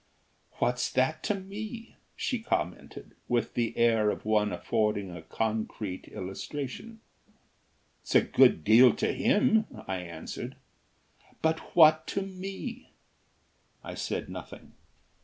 "What's that to me?" she commented, with the air of one affording a concrete illustration. "It's a good deal to him," I answered. "But what to me?" I said nothing.